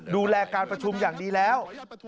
ดูแลการประชุมอย่างดีแล้ว